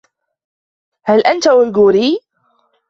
هل أنت أويغوري ؟